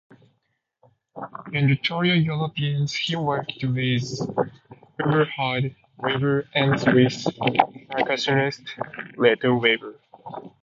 In the trio Europeans, he worked with Eberhard Weber and Swiss percussionist Reto Weber.